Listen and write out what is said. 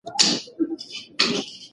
هغه څه محبوب کړه چې اللهﷻ ته محبوب وي.